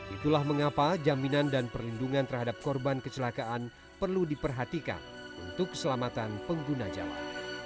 itulah mengapa jaminan dan perlindungan terhadap korban kecelakaan perlu diperhatikan untuk keselamatan pengguna jalan